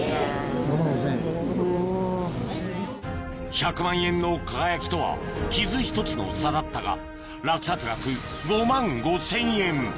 １００万円の「輝」とは傷１つの差だったが落札額５万５０００円